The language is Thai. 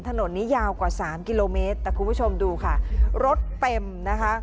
ถนนนี้ยาวกว่าสามกิโลเมตรแต่คุณผู้ชมดูค่ะรถเต็มนะคะ